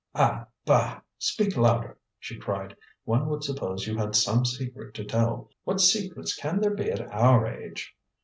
"Ah, bah! Speak louder!" she cried. "One would suppose you had some secret to tell. What secrets can there be at our age?"